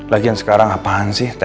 lagian sekarang apaan sih